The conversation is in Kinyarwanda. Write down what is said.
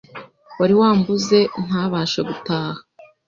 wari wambuze ntabashe gutaha